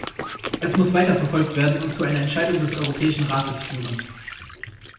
Es muss weiterverfolgt werden und zu einer Entscheidung des Europäischen Rates führen.